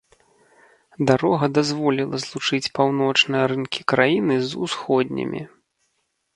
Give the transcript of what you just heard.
Дарога дазволіла злучыць паўночныя рынкі краіны з усходнімі.